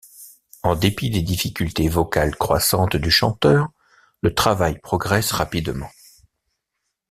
En dépit des difficultés vocales croissantes du chanteur, le travail progresse rapidement.